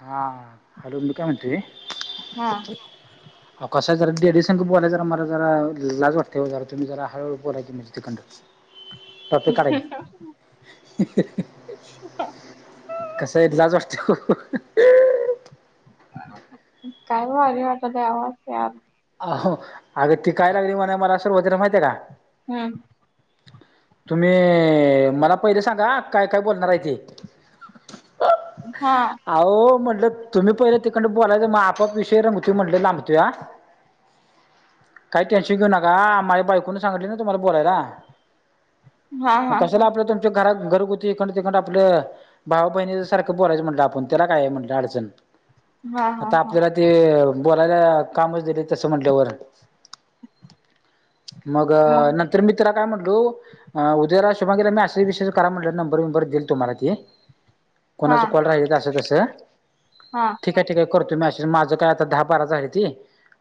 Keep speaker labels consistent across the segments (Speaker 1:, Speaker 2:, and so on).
Speaker 1: हा हॅलो, मी काय म्हणतोय.
Speaker 2: हा
Speaker 1: अहो कसाय जरा लेडीझ संग बोलाय जरा मला जरा लाज वाटत्या ओ, जरा तुम्ही जरा हळू हळू बोला की, म्हणजी तिकडंन.
Speaker 2: [unintelligible]
Speaker 1: ते लाज वाटत्या हो.
Speaker 2: काय भारी वाटालय, आवाज द्या.
Speaker 1: अ हो अगं ती काय लागली मणाय, मला सुरवातीला माहतीये का.
Speaker 2: हम्म.
Speaker 1: तुम्ही मला पहिले सांगा, काय-काय बोलणार आहे ते.
Speaker 2: हां.
Speaker 1: आ हो म्हटलं तुम्ही पहिला तिकडंन बोलायच, म्हणलो मग आपोआप विषय म्हटल लाबंतोया. काही टेन्शन घेऊ नका. माझ्या बायकून सांगलीतलना तुम्हाला बोलायला.
Speaker 2: हा
Speaker 1: मग
Speaker 2: हा
Speaker 1: कशाला
Speaker 2: हा
Speaker 1: आपलं, तुमच्या घरात घरगुती इकडन तिकडन आपलं भावा-बहिणी सारखं बोलायचं म्हटलं आपण. त्याला काय आहे म्हटलं अडचण.
Speaker 2: हा हा
Speaker 1: आता
Speaker 2: हा
Speaker 1: आपल्यात ते बोलायला कामच दिलय तसं म्हटल्यावर. मग नंतर मी तीला काय म्हटलो अ उदयाला शुभांगिला मॅसेज-बिसेस करा म्हटलं, नंबर बिंबर देईल तुम्हाला ती.
Speaker 2: हा
Speaker 1: कोणाच कॉल राहिल्यात असं तसं
Speaker 2: हा
Speaker 1: ठीक. ठीकाय, करतो मेसेज माझं काय आता दहा बाराच राहील्याती.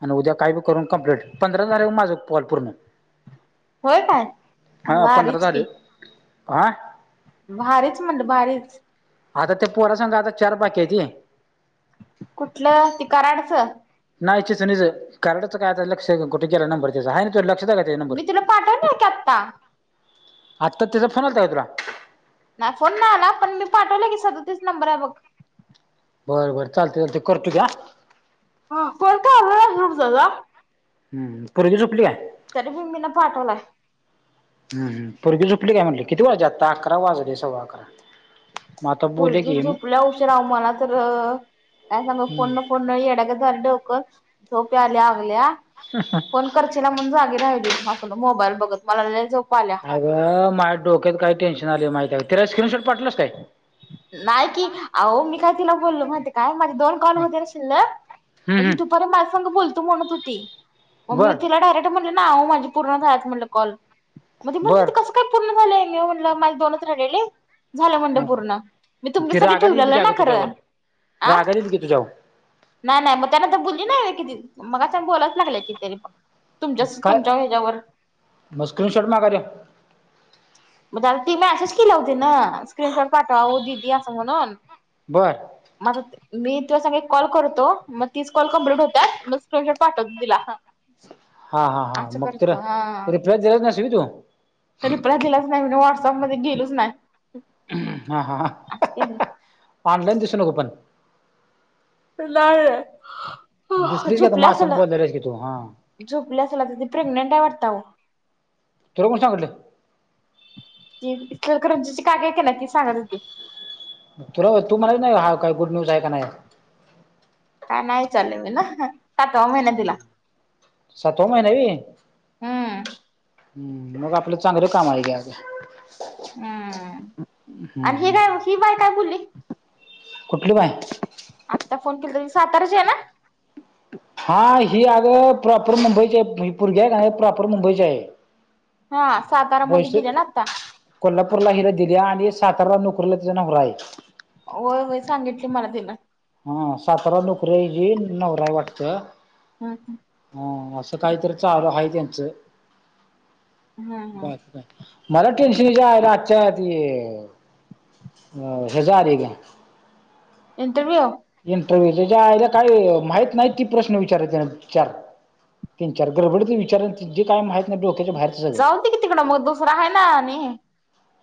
Speaker 1: आणि उद्या काही बी करून कंप्लीट, पंधरा झाल्यात माझं कॉल पूर्ण.
Speaker 2: होय काय.
Speaker 1: हा पंधरा
Speaker 2: भारीच की
Speaker 1: झाले.
Speaker 2: भारीच म्हणल भारीच.
Speaker 1: आता त्या पोरा संग आता चार बाकी हायती.
Speaker 2: कुठलं ते कराडचं.
Speaker 1: नाही चिचणीच कराडच काय, आता लक्षाय कुठे गेला नंबर त्याचा. आहे काय तुझ्या लक्षात हाय काय.
Speaker 2: मी तुला पाठवलोय की आता.
Speaker 1: आत्ता त्यचा फोन आलता काय तुला.
Speaker 2: नाही फोन नाही आला पण, मी पाठवला की सदतिस नंबर आहे बघा.
Speaker 1: बरं बरं, चालतय चालतय करतू घ्या.
Speaker 2: हा, कोन करणाराय झोप जा जा.
Speaker 1: हम्म, पुरगी झोपली काय.
Speaker 2: तरी पण मीन पाठवलाय.
Speaker 1: हं- हं पुरगी झोपली काय म्हणल, किती वाजल आता अकरा वाजले सव्वा अकरा. मग आता बोलले
Speaker 2: पोरगी
Speaker 1: की
Speaker 2: झुपल्या उशीर अहो, मला तर काय सांगू फोन फोन येड्यागत झालय डोकं, झोप याय लागल्या, फोन करशी ला म्हणून जागी राहिलोय, आपलं मोबाईल बघत, मला लई झोप आल्या.
Speaker 1: अगं माझ्या डोक्यात काय टेन्शन आलय माहिती आहे का. तिला स्क्रीनशॉट पाठवल्यास.
Speaker 2: नाही कि. अहो मी काय तिला बोललो माहिती काय, माझ कॉल कॉल होते ना शिल्लक.
Speaker 1: हम्म हम्म
Speaker 2: दुपारी माझ्या संग बोलतो म्हणत होती. मग मी
Speaker 1: बर
Speaker 2: तिला करेक्ट इथं म्हटलं नावावर माझ्या पूर्ण झाल्यात म्हटलं कॉल, म ती
Speaker 1: बर
Speaker 2: म्हणत्याती कसं? काय पूर्ण झालंय, म्या म्हटलं माझे दोनच राहिलेले झालं म्हणंलं
Speaker 1: हा
Speaker 2: पूर्ण. मी
Speaker 1: ती
Speaker 2: तुमच्यासाठी
Speaker 1: रागाला येईल की
Speaker 2: ठेवलेलं ना
Speaker 1: अगं तुझ्यावर
Speaker 2: खरं,.. आ.
Speaker 1: रागाला येईल की तुझ्यावर
Speaker 2: नाही, नाही मग त्या नंतर बोलली नाही किती मगाच्यान बोलायच लागलंय कि तरी पण. तुमच्यास
Speaker 1: काय
Speaker 2: तुमच्या हेच्यावर.
Speaker 1: मग स्क्रीनशॉट मागाल्या.
Speaker 2: म्हणजे आता ती मॅसेज केल्या वो तिनं, स्क्रीनशॉट पाठवा ओ दीदी असं म्हणून.
Speaker 1: बरं
Speaker 2: मग आता मी तुझ्या संगं एक कॉल करतो, मग तीस कॉल कंम्प्लीट होत्यात, मग स्क्रीन शॉट पाठवतो तिला.
Speaker 1: हा, हा, हा.
Speaker 2: असं
Speaker 1: मग तर
Speaker 2: करतो हा
Speaker 1: रिप्लाय दिलच नाहीस व्हय तू.
Speaker 2: रिप्लाय दिलाच नाही मिनं, व्हॉट्सअप मध्ये गेलोच नाही.
Speaker 1: हा,
Speaker 2: असं केलं.
Speaker 1: हा. ऑनलाईन दिसू नको पण.
Speaker 2: नाय.
Speaker 1: दिसली का तू माझ्या संग बोलाल्यास की तू, हा...
Speaker 2: झोपल्या असलं आता ती प्रेग्नेंट आहे वाटतं आलो.
Speaker 1: तुला कोण सांगिटलं?
Speaker 2: ती इचलकरंजीची काकी हाय का नाय ती सांगत होती.
Speaker 1: तुला तू म्हणायचं नाही का, हा काही गुड न्यूज आहे का नाही?
Speaker 2: का नाही चालेल मी ना सातवा महिना तिला
Speaker 1: सातवा महिना हाय व्हय.
Speaker 2: हम्म
Speaker 1: हं मग आपलं चांगलं काम आहे गे आज.
Speaker 2: हम्म
Speaker 1: हं
Speaker 2: आणि ही काय
Speaker 1: हूं...
Speaker 2: ही बाय काय बोलली
Speaker 1: कुठली बाय?
Speaker 2: आत्ता फोन केलता ती साताराची आहे ना?
Speaker 1: हा, ही अगं प्रॉपर मुंबईची आहे, ही पुरगी हाय नाई प्रॉपर मुंबईची आहे.
Speaker 2: हा सातारामध्ये
Speaker 1: पैसे
Speaker 2: गेल्या ना आता.
Speaker 1: कोल्हापूरला हिला दिल्या आणि सातारला नोकरीला तिचा नवरा आहे.
Speaker 2: होय, होय सांगितली मला तिनं.
Speaker 1: हा साताराला नोकरी हाय हिजी नवरा हाय वाटतं.
Speaker 2: हां.. हां..
Speaker 1: हा असं काहीतरी चालू आहे त्यांचं...
Speaker 2: हम्म हम्म
Speaker 1: बाकी काय. मला टेन्शनच्या [unintelligible] आजच्या ते हेज आलंय.
Speaker 2: इंटरव्यू
Speaker 1: इंटरव्ह्यू त्याच्या आयला काही माहित नाही ती प्रश्न विचारत्यात चार तीन-चार गडबडती विचारां जे काय माहित
Speaker 2: जाऊ दे की तिकडं, मग दुसरं आहे ना आणि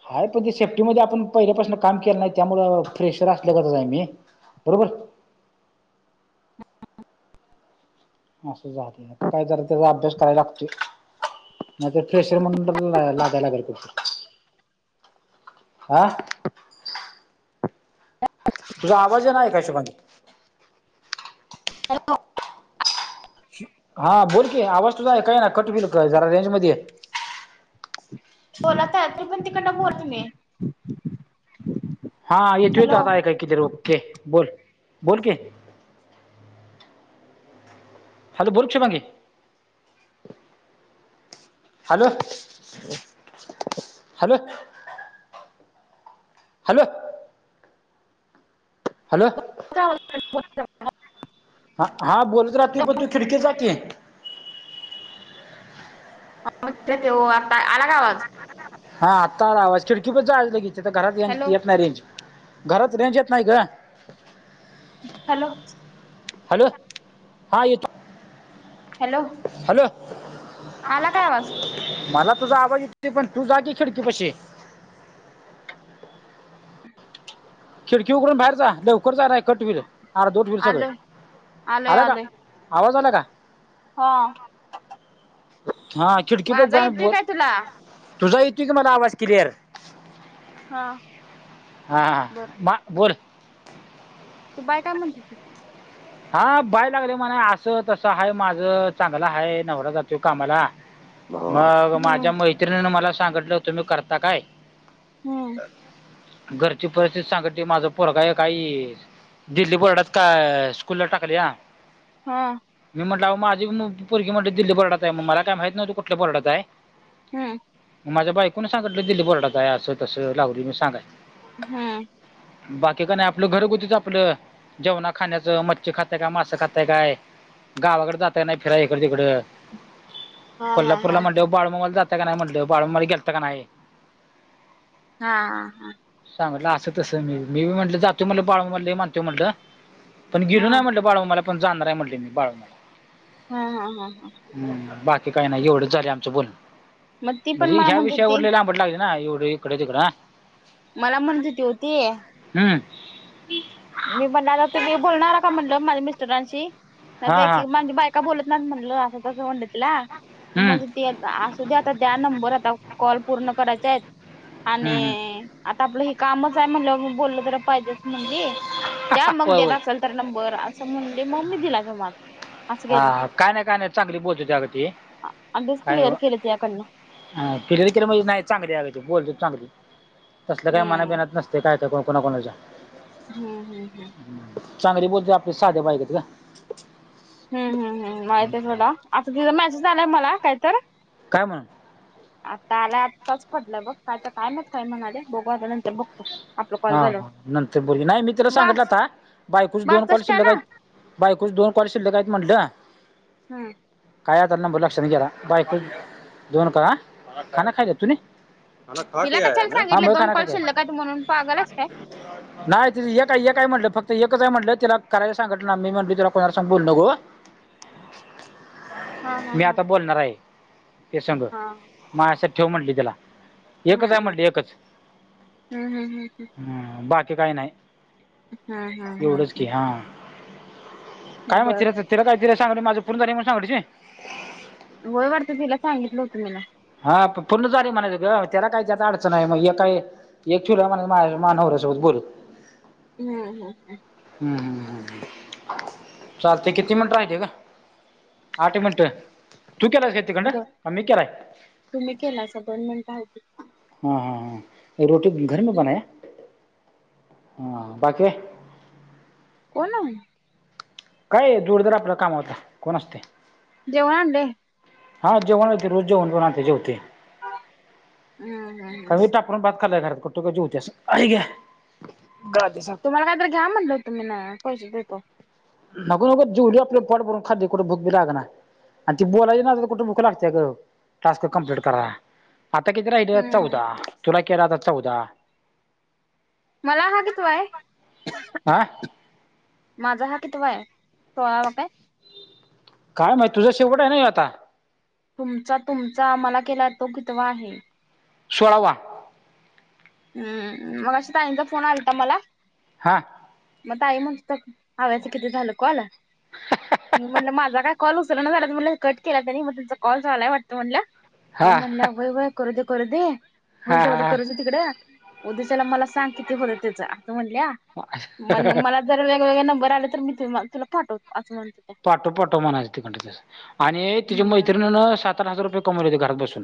Speaker 1: हाय पण तेे सेफ्टीमध्ये आपण पहिल्यापासून काम केलं नाही, त्यामुळं फ्रेशर असल्यागतच आहे मी. बरोबर. असं झालंय आता काय जरा त्याचा अभ्यास कराय लागतोय. नाहीतर फ्रेशर म्हणून तर लागाय लागायचं. आ तुझा आवाज ईना आयकाय शुभांगी.
Speaker 2: हॅलो.
Speaker 1: हा बोल की, आवाज तुझा आयकाय येणा कट होईल, जरा रेंज मध्ये ये.
Speaker 2: बोलत आहे तरी पण तिकडन बोला तुम्ही.
Speaker 1: हा येतू
Speaker 2: हॅलो
Speaker 1: तो आयकाय किती ओके. बोल बोल की. हॅलो, बोल Shubhangi. Hello hello hello hello
Speaker 2: [unintelligible]
Speaker 1: हा हा बोलत राहतूय पण तू खिडकी जाग की.
Speaker 2: [unintelligible] आला का आवाज.
Speaker 1: हा आत्ता आला आवाज. खिडकीपाशी जायच लगेच घरात
Speaker 2: हॅलो
Speaker 1: येत नाही रेंज. घरात रेंज येत नाही ग.
Speaker 2: हॅलो
Speaker 1: हॅलो हा येतोय.
Speaker 2: हॅलो
Speaker 1: हॅलो,
Speaker 2: आला काय आवाज
Speaker 1: मला तुझा आवाज येतोय पण तू जा की खिडकीपशी.
Speaker 2: [inaudible]
Speaker 1: खिडकी उघडून बाहेर जा. लवकर जा. नाही कट होईल. अर्धवट होईल सगळ.
Speaker 2: आलोय आलोय
Speaker 1: आला का,
Speaker 2: आलोय
Speaker 1: आवाज आला का.
Speaker 2: हा
Speaker 1: हा खिडकीपाशी
Speaker 2: माझा
Speaker 1: जान
Speaker 2: येतोय
Speaker 1: बोल
Speaker 2: काय तुला
Speaker 1: तुझा येतोय की मला आवाज क्लीअर.
Speaker 2: हा
Speaker 1: हा,
Speaker 2: बर
Speaker 1: मा बोल.
Speaker 2: ती बाई काय म्हणत होती.
Speaker 1: हा बाय लागले म्हणाय अस तस आहे माझ. चांगल आहे. नवरा जातोय कामाला. मग
Speaker 2: हम्म
Speaker 1: माझ्या मैत्रिणीन मला सांगितल होत, तुम्ही करता काय?
Speaker 2: हम्म
Speaker 1: घरची परिस्थिती सांगतली माझ पोरगा एक आहेस. दिल्ली बोर्डात का स्कूलला टाकलया.
Speaker 2: हा
Speaker 1: मी म्हटल अहो माझी पण पोरगी म्हणली दिल्ली बोर्डात आहे. मग मला काय माहित नव्हत कुठल्या बोर्डात आहे.
Speaker 2: हम्म
Speaker 1: मग माझ्या बाईकोन सांगितल दिल्ली बोर्डात आहे अस तस. लावली मी सांगाया.
Speaker 2: हम्म
Speaker 1: बाकी काही नाही आपल घरगुतीच आपल, जेवणा खाण्याच. म मच्छी खातय काय? मास्सं खातय काय? गावाकडे जाताय नाही फिराय इकड तिकड.
Speaker 2: हा हा हा
Speaker 1: कोल्हापूरला म्हंटल्यावर बाळूमामाला जात का नाही म्हटल. बाळूमामाला गेलता का नाही.
Speaker 2: हा हा हा
Speaker 1: सांगतल अस तस मी. मी बी म्हटल जातो म्हटल. बाळूमामाला लय मानतोय म्हटल. गेलो
Speaker 2: हा
Speaker 1: नाही म्हटल बाळूमामाला. पण जाणार आहे म्हणल मी बाळूमामाला.
Speaker 2: हा हा हा हा
Speaker 1: हम्म, बाकी काही नाही एवढच झालय आमच बोलन.
Speaker 2: मग ती पण
Speaker 1: म्हणजे
Speaker 2: मला
Speaker 1: ह्या
Speaker 2: म्हणत होती
Speaker 1: विषयावर लय लांबट लागले ना एवढे इकडे तिकड.
Speaker 2: मला म्हणत होती हो ती.
Speaker 1: हम्म
Speaker 2: मी म्हणल आता तुम्ही बोलणार का म्हणल माझ्या मिस्टरांशी. नाही
Speaker 1: हा
Speaker 2: तर एक
Speaker 1: हा
Speaker 2: माझी का बोलत नाहीत म्हणल, अस तस म्हटल तिला.
Speaker 1: हम्म,
Speaker 2: मग ती आत आस असू द्या आता त्या नंबर आता कॉल पूर्ण करायचेत. आणि
Speaker 1: हम्म, हम्म.
Speaker 2: आता आपलं हे कामचं आहे म्हणल्या वर मग बोललं तर पाहिजेचं म्हणली. द्या मग
Speaker 1: होय
Speaker 2: देत
Speaker 1: होय
Speaker 2: असाल तर नंबर असं म्हणले मग मी दिला तुम्हाला. असं केलं
Speaker 1: हा काय नाही काय नाही चांगली बोलतेती अग ती,
Speaker 2: अगदीच
Speaker 1: काय व?
Speaker 2: क्लिअर केलं तिच्याकडनं
Speaker 1: [unintelligible] केलं म्हणजे नाही चांगली बोलतेत चांगली, तसलं काही
Speaker 2: हम्म
Speaker 1: मनाबीनात नसते काय ते कोण कोणा कोणाच्या.
Speaker 2: हम्म हम्म हम्म.
Speaker 1: चांगली बोलतेत आपल्या साध्या [unintelligible] ग.
Speaker 2: हम्म हम्म हम्म माहित आहे सोडा. आता तिचा मेसेज आलाय मला काय तर?
Speaker 1: काय म्हणून?
Speaker 2: आता आला आत्ताच पडला बघ, काय तर काय माहित काय म्हणाले बघू आता नंतर बघतो. आपला
Speaker 1: हा
Speaker 2: कॉल झाल्यावर
Speaker 1: हा नंतर बोल नाही मी तिला सांगितला
Speaker 2: बास
Speaker 1: होता बायकोची दोन कॉल
Speaker 2: बासष्ट
Speaker 1: शिल्लक
Speaker 2: ना
Speaker 1: आहेत. बायकोची दोन कॉल शिल्लक आहेत म्हटलं.
Speaker 2: हम्म.
Speaker 1: काय आता नंबर लक्षात गेला बायको दोन का
Speaker 2: तिला कशाला सांगितले दोन कॉल शिल्लक
Speaker 1: [unintelligible] [unintelligible]
Speaker 2: आहेत म्हणून पागल आहेस काय
Speaker 1: [unintelligible] नाही ती एकय एकय म्हटलं फक्त एकच आहे म्हटलं, तिला करायला सांगत ना मी म्हटलं तिला कोणाला संग बोलू नको.
Speaker 2: हा हा
Speaker 1: मी
Speaker 2: हा
Speaker 1: आता बोलणार आहे हे संग.
Speaker 2: हा
Speaker 1: मायासाठी ठेव म्हटली तिला.
Speaker 2: हम्म
Speaker 1: एकच आहे
Speaker 2: हम्म,
Speaker 1: म्हटली एकच
Speaker 2: हम्म हम्म हम्म हम्म.
Speaker 1: हम्म बाकी काही नाही.
Speaker 2: हम्म हम्म हम्म
Speaker 1: एवढंच की
Speaker 2: हम्म.
Speaker 1: हां काय माहित
Speaker 2: बर
Speaker 1: तिरा तिला काय तिरा सांगितलो माझं पूर्ण झाले म्हणून सांगिलो तिची.
Speaker 2: होय वाटतं तिला सांगितलं होतं मीला.
Speaker 1: हा पूर्ण झाले म्हणायचं ग त्याला काही त्याता अडचण हाय मग हे काय तुला म्हणयाचं माझ्या म्या नवऱ्यासोबत बोलत होती.
Speaker 2: हम्म हम्म हम्म.
Speaker 1: हम्म हम्म हम्म चालते किती मिनिटं राहिले ग? आठ मिनिटं? तू केलाय का तिकंड,
Speaker 2: द
Speaker 1: का मी केलाय?
Speaker 2: तुम्ही केलासा दोन मिनिटं हायती.
Speaker 1: हा हा हा, [unintelligible] हा बाकी?
Speaker 2: कोण
Speaker 1: काय जोडीदार आपलं कामाचा, कोण असते?
Speaker 2: जेवण आणलंय?
Speaker 1: हां जेवण हो ते रोज जेवण बनवून आणते जेवते.
Speaker 2: हम्म हम्म हम्म.
Speaker 1: आपण [unintelligible]
Speaker 2: तुम्हाला कायतरी घ्या म्हटलं होतं मी ना पैसे देतो.
Speaker 1: नको नको जोडीला आपलं पोट भरून खातोय कुठं भूक बी लागणा. आणि ती बोलायची नादात कुठं भुक लागते ग टास्क कम्प्लीट कराया. आता किती राहिलेत
Speaker 2: हम्म
Speaker 1: चौदा? तुला केला आता चौदा.
Speaker 2: मला हा कितवाय?
Speaker 1: आह?
Speaker 2: माझा हा कितवा आहे सोळावा काय
Speaker 1: काय माहीत तुझा शेवट आहे ना ह्यो आता
Speaker 2: तुमचा तुमचा मला केला तो कितवा आहे
Speaker 1: सोळावा
Speaker 2: हम्म मगाशी ताईंचा फोन आलता मला
Speaker 1: हा
Speaker 2: मग ताई म्हणत होत्या आव्याचं किती झालं कॉल मी म्हटलं माझा काय कॉल उचलना झाल्यात म्हटल कट केलाय त्यांनीं मग तुमचा कॉल चालूय वाटत म्हटलं मग
Speaker 1: हा
Speaker 2: म्हणलं होय होय करू दे करू दे
Speaker 1: हा
Speaker 2: होईल तेवढं
Speaker 1: हा
Speaker 2: करूदे तिकडं उद्या त्याला मला सांग किती होत्यात त्याच म्हटल्या
Speaker 1: हा
Speaker 2: मला जर वेगवेगळे नंबर आले तर मी तुला पाठवो असं म्हणल्या
Speaker 1: पाठव पाठव म्हणायच आणि तिच्या
Speaker 2: हम्म
Speaker 1: मैतिणीणं सात आठ हजार रुपये कमवलेली घरात बसून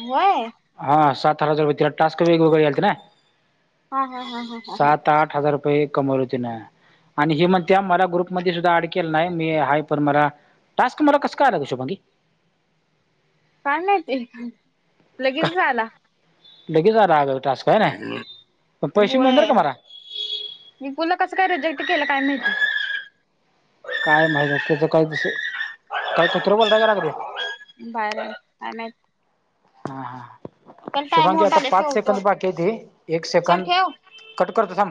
Speaker 2: होय
Speaker 1: हा सात हजार [unintelligible] टास्क वेगवेगळे यालते ना
Speaker 2: हा हा हा हा हा हा
Speaker 1: सात आठ हजार रुपये कमवले तीनं आणि ही म्हणत्या मला ग्रुपमध्ये सुद्धा ऍड केलं नाही मी हाय पण मला टास्क मला कस काय आल गं शुभांगी
Speaker 2: काय माहिती लगेचच
Speaker 1: काय
Speaker 2: आला
Speaker 1: लगेच आला अग टास्क हे कि नाही पण पैसे मिळणार का मला
Speaker 2: विपुुलला कस काय रिजेक्ट केलं काय माहिती
Speaker 1: काय माहित त्याचं काय दुसरं काय त्याच काय कुत्रं वरडाय काय लागलंय
Speaker 2: काय नाही काय माहित
Speaker 1: हा हा
Speaker 2: चल टाइम
Speaker 1: शुभांगी
Speaker 2: होत
Speaker 1: आता
Speaker 2: आलाय
Speaker 1: पाच सेकंद
Speaker 2: ठेवतो
Speaker 1: बाकी हायती एक
Speaker 2: चल
Speaker 1: सेकंद
Speaker 2: ठेव.
Speaker 1: कट करतो थांब